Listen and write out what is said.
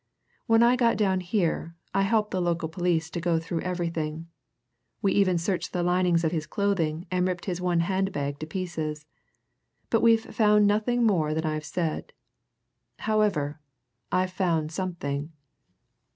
When I got down here, I helped the local police to go through everything we even searched the linings of his clothing and ripped his one handbag to pieces. But we've found no more than I've said. However I've found something.